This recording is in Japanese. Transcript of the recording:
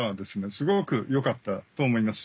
すごく良かったと思います。